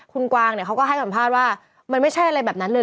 คุณกวางเนี่ยเขาก็ให้สัมภาษณ์ว่ามันไม่ใช่อะไรแบบนั้นเลย